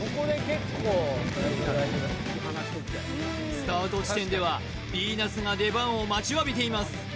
スタート地点ではヴィーナスが出番を待ちわびています